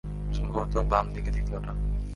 সম্ভবত বামদিকের দ্বিতীয়টা।